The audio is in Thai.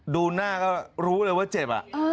ดูหน้าก็รู้เลยว่าเจ็บ